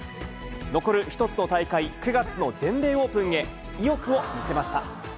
残る１つの大会、９月の全米オープンへ、意欲を見せました。